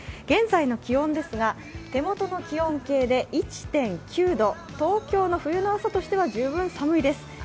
現在の気温ですが手元の気温計で１．９度、東京の冬の朝としては十分寒いです。